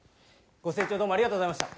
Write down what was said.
ご清聴どうもありがとうございました。